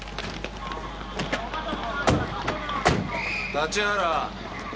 立原。